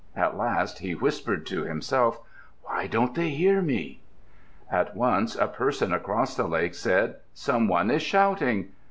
At last he whispered to himself, "Why don't they hear me?" At once a person across the lake said, "Some one is shouting."